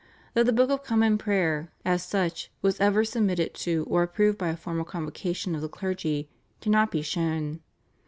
That the Book of Common Prayer as such was ever submitted to or approved by a formal convocation of the clergy cannot be shown.